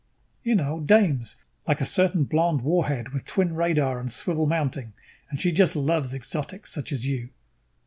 "You know. Dames. Like a certain blonde warhead with twin radar and swivel mounting, and she just loves exotics. Such as you."